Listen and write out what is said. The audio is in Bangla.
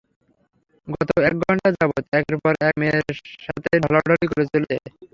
গত এক ঘণ্টা যাবৎ একের পর এক মেয়ের সাথে ঢলাঢলি করে চলেছ।